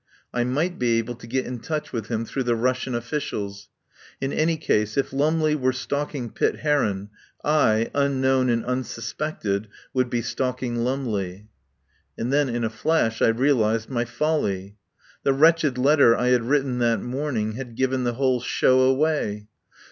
I might be able to get in touch with him through the Russian officials. In any case, if Lumley were stalking Pitt Heron, I, unknown and unsus pected, would be stalking Lumley. And then in a flash I realised my folly. The wretched letter I had written that morning had given the whole show away.